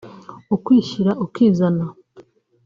ukwishyira ukizana